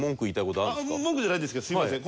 文句じゃないんですけどすみません。